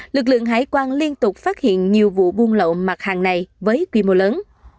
lực lượng hải quan liên tục phát hiện nhiều vụ buôn lậu mặt hàng này với quy mô lớn